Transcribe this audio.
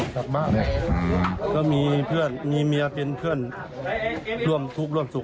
กลับบ้านก็มีเพื่อนมีเมียเป็นเพื่อนร่วมทุกข์ร่วมสุข